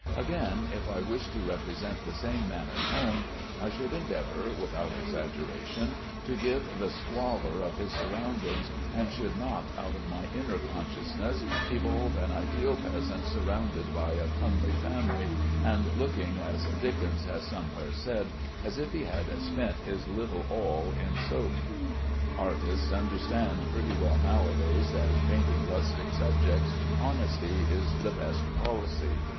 Again, if I wished to represent the same man at home, I should endeavor, without exaggeration, to give the squalor of his surroundings, and should not, out of my inner consciousness, evolve an ideal peasant surrounded by a comely family, and looking (as Dickens has somewhere said) as if he had "spent his little All in soap." Artists understand pretty well nowadays that in painting rustic subjects, honesty is the best policy.